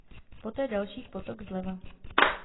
Poté další potok zleva.